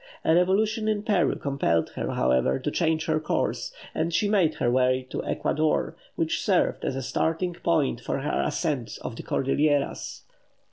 A revolution in Peru compelled her, however, to change her course, and she made her way to Ecuador, which served as a starting point for her ascent of the Cordilleras.